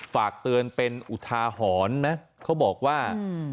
ฝากเตือนเป็นอุทาหรณ์นะเขาบอกว่า